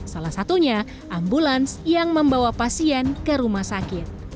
salah satunya ambulans yang membawa pasien ke rumah sakit